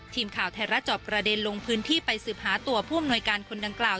ทีมข่าวไทยรัฐจอบประเด็นลงพื้นที่ไปสืบหาตัวผู้อำนวยการคนดังกล่าว